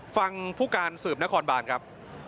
ฟังผู้การสืบนครบานครับ